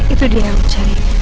itu dia yang mencari